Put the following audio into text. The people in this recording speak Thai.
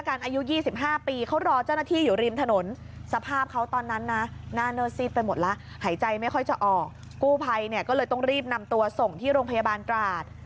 กู้ภัยเนี่ยก็เลยต้องรีบนำตัวส่งที่โรงพยาบาลกราช